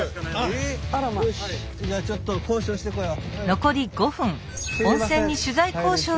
じゃあちょっと交渉してこよう。